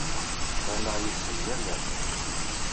Ttɣimiɣ yid-sen yal ass.